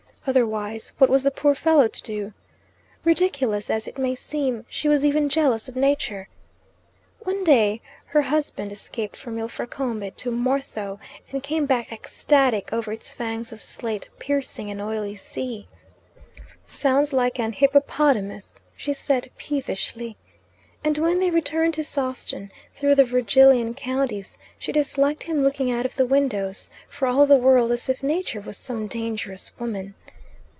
Otherwise what was the poor fellow to do? Ridiculous as it may seem, she was even jealous of Nature. One day her husband escaped from Ilfracombe to Morthoe, and came back ecstatic over its fangs of slate, piercing an oily sea. "Sounds like an hippopotamus," she said peevishly. And when they returned to Sawston through the Virgilian counties, she disliked him looking out of the windows, for all the world as if Nature was some dangerous woman.